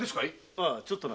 ああちょっとな。